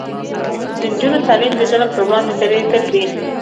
د نجونو تعلیم د ظلم پر وړاندې دریدل دي.